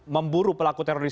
memburu pelaku teroris